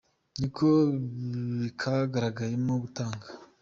niko kagaragayemo gutanga.